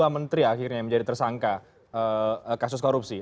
dua menteri akhirnya yang menjadi tersangka kasus korupsi